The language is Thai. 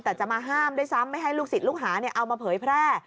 แต่จะมาห้ามด้วยซ้ำไม่ให้ลูกศิษย์ลูกหาเอามาเผยแพร่